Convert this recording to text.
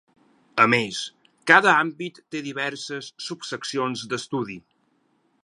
A més, cada àmbit té diverses subseccions d’estudi.